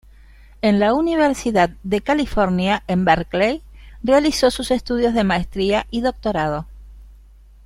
En la Universidad de California en Berkeley, realizó sus estudios de maestría y doctorado.